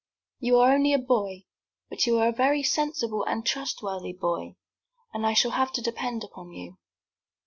You are only a boy, but you are a very sensible and trustworthy boy, and I shall have to depend upon you."